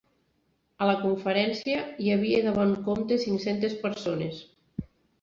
A la conferència, hi havia de bon compte cinc-centes persones.